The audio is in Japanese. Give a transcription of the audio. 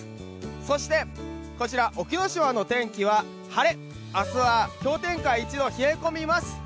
そしてこちら沖ノ島の天気は晴れ、明日は氷点下１度冷え込みます。